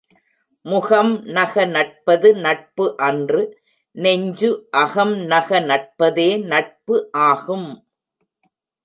முகம் நக நட்பது நட்பு அன்று நெஞ்சு அகம் நக நட்பதே நட்பு ஆகும்.